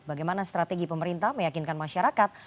bagaimana strategi pemerintah meyakinkan masyarakat